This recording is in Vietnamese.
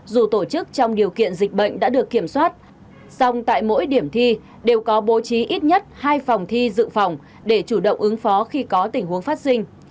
dù tổ chức trong điều kiện dịch bệnh đã được kiểm soát song tại mỗi điểm thi đều có bố trí ít nhất hai phòng thi dự phòng để chủ động ứng phó khi có tình huống phát sinh